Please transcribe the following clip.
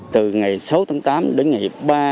từ ngày sáu tám đến ngày ba mươi tám